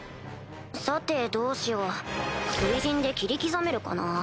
さてどうしよう水刃で切り刻めるかな？